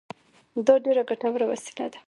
دا ډېره ګټوره وسیله وه.